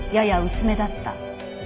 「薄めだった」。